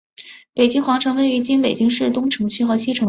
北京皇城位于今北京市东城区和西城区。